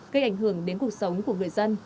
gây ảnh hưởng đến cuộc sống của người dân